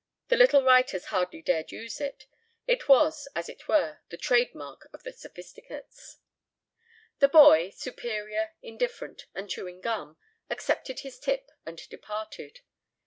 The little writers hardly dared use it. It was, as it were, the trademark of the Sophisticates. The boy, superior, indifferent, and chewing gum, accepted his tip and departed.